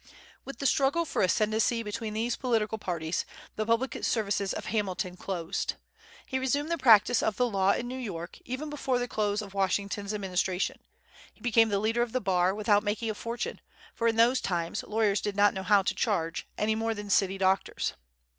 With the struggle for ascendency between these political parties, the public services of Hamilton closed. He resumed the practice of the law in New York, even before the close of Washington's administration. He became the leader of the Bar, without making a fortune; for in those times lawyers did not know how to charge, any more than city doctors.